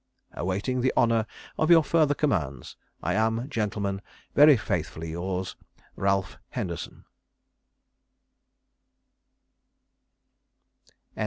"Awaiting the honour of your further commands, "I am, Gentlemen, very faithfully yours, "RALPH HENDERSON."